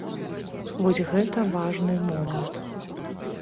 Вось гэта важны момант.